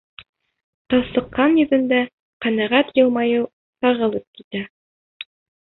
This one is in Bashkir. Талсыҡҡан йөҙөндә ҡәнәғәт йылмайыу сағылып китә.